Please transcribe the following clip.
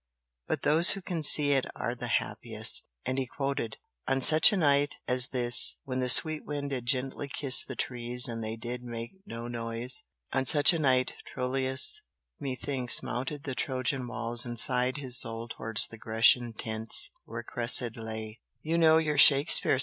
But those who can see it are the happiest!" And he quoted "'On such a night as this, When the sweet wind did gently kiss the trees And they did make no noise, on such a night Troilus, methinks, mounted the Trojan walls And sighed his soul towards the Grecian tents Where Cressid lay!'" "You know your Shakespeare!"